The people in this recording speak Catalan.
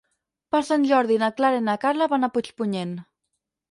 Per Sant Jordi na Clara i na Carla van a Puigpunyent.